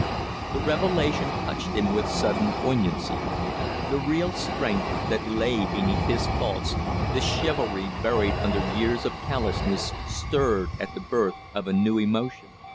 The revelation touched him with sudden poignancy; the real strength that lay beneath his faults, the chivalry buried under years of callousness, stirred at the birth of a new emotion.